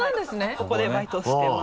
ここでバイトしてます。